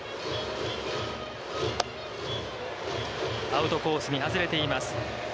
アウトコースに外れています。